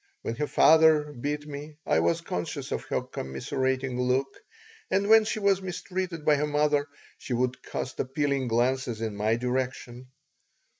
When her father beat me I was conscious of her commiserating look, and when she was mistreated by her mother she would cast appealing glances in my direction.